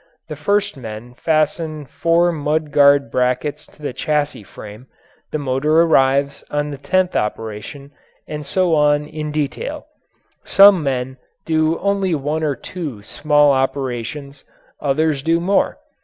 The first men fasten four mud guard brackets to the chassis frame; the motor arrives on the tenth operation and so on in detail. Some men do only one or two small operations, others do more.